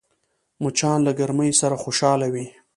مچان له ګرمۍ سره خوشحال وي